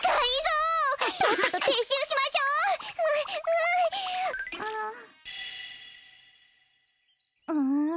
うん。